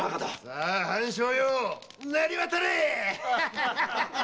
さあ半鐘よ鳴り渡れ！